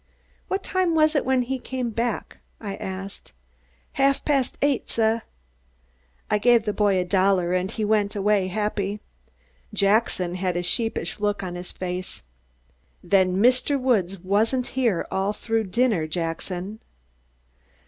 "What time was it when he came back?" I asked. "Ha'f past eight, suh." I gave the boy a dollar and he went away happy. Jackson had a sheepish look on his face. "Then Mr. Woods wasn't here all through dinner, Jackson?"